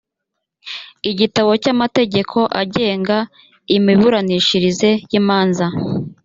igitabo cy’amategeko agenga imiburanishirize y’imanza